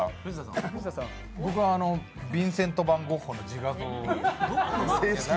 僕、ヴィンセント・ファン・ゴッホの自画像。